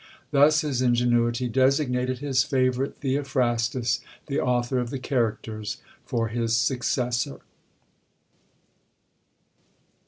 Thus his ingenuity designated his favourite Theophrastus, the author of the "Characters," for his successor.